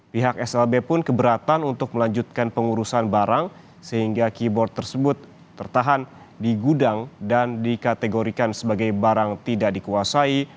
pihak slb pun keberatan untuk melanjutkan pengurusan barang sehingga keyboard tersebut tertahan di gudang dan dikategorikan sebagai barang tidak dikuasai